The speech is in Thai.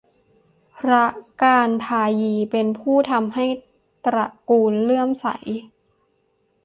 พระกาฬทายี เป็นผู้ทำให้ตระกูลเลื่อมใส